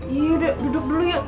yaudah duduk dulu yuk